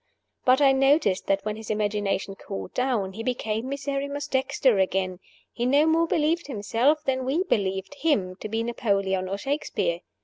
But I noticed that when his imagination cooled down he became Miserrimus Dexter again he no more believed himself than we believed him to be Napoleon or Shakespeare.